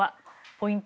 ポイント